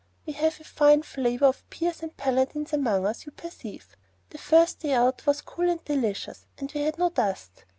We have a fine flavor of peers and paladins among us, you perceive. "The first day out was cool and delicious, and we had no dust.